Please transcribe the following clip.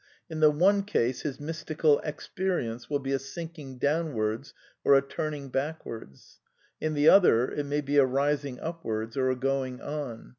In the one case his mystical expe rience will be a sinking downwards or a turning back wards : in the other it may be a rising upwards or a going on.